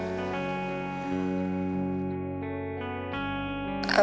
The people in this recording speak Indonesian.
kantil itu punya ikan karena